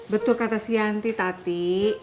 betul kata si yanti